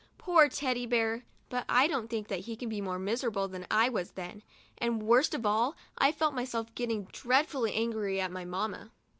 Poor Teddy Bear! But I don't think that he can be more miserable than I was then, and, worst of all, I felt myself getting dreadfully angry at my mamma.